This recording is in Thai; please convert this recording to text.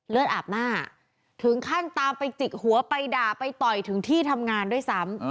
อาบหน้าถึงขั้นตามไปจิกหัวไปด่าไปต่อยถึงที่ทำงานด้วยซ้ำ